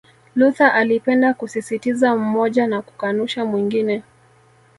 Luther alipenda kusisitiza mmoja na kukanusha mwingine